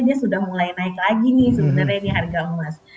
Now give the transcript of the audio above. dia sudah mulai naik lagi nih sebenarnya ini harga emas